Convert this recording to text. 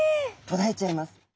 とらえちゃいます。